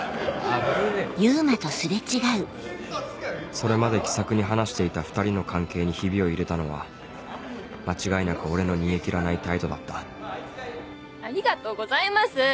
それまで気さくに話していた２人の関係にヒビを入れたのは間違いなく俺の煮え切らない態度だったありがとうございます。